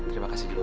terima kasih juga